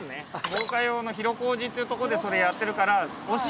防火用の広小路っていう所でそれやってるから惜しい！